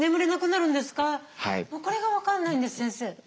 これが分かんないんです先生。